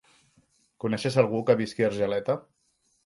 Coneixes algú que visqui a Argeleta?